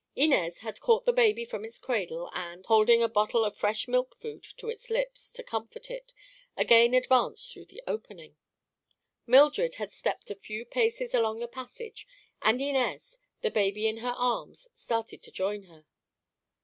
Inez had caught the baby from its cradle and, holding a bottle of fresh milk food to its lips to comfort it, again advanced through the opening. Mildred had stepped a few paces along the passage and Inez, the baby in her arms, started to join her.